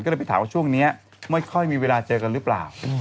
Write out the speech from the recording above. ก็เลยไปถามว่าช่วงนี้ไม่ค่อยมีเวลาเจอกันหรือเปล่า